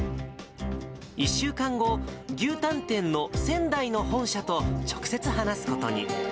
１週間後、牛タン店の仙台の本社と直接話すことに。